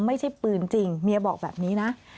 ไม่ใช่ปืนจริงเมียบอกแบบนี้นะ